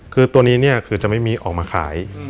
คือตัวนี้เนี่ยคือจะไม่มีออกมาขาย